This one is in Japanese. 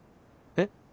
えっ？